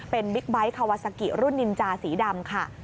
เป็นบิ๊กไบท์คาวาซากิรุ่นนินจาสีดำค่ะ